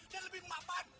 dan lebih memapan